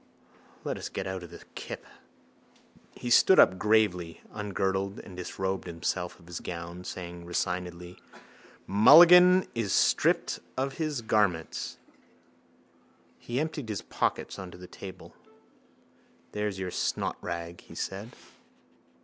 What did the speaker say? Let us get out of the kip. He stood up, gravely ungirdled and disrobed himself of his gown, saying resignedly: —Mulligan is stripped of his garments. He emptied his pockets on to the table. —There's your snotrag, he said.